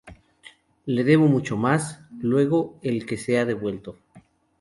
Le debo mucho más, luego, que le sea devuelto.